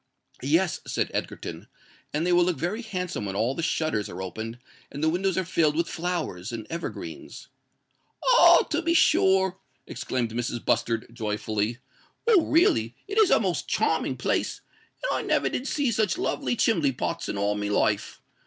"Yes," said Egerton: "and they will look very handsome when all the shutters are opened and the windows are filled with flowers and evergreens." "Oh! to be sure," exclaimed Mrs. Bustard, joyfully. "Well, really, it is a most charming place; and I never did see such lovely chimbley pots in all my life.